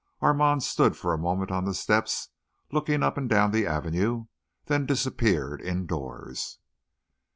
Armand stood for a moment on the step, looking up and down the Avenue, then disappeared indoors.